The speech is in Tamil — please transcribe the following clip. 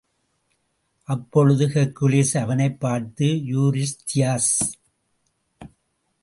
அப்பொழுது ஹெர்க்குலிஸ் அவனைப் பார்த்து, யூரிஸ்தியஸ்!